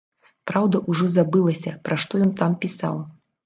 Праўда, ужо забылася, пра што ён там пісаў.